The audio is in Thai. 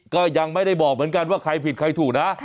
ก็ยังไม่ได้บอกเหมือนกันว่าใครผิดใครถูกนะ